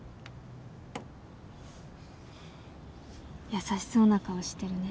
優しそうな顔してるね。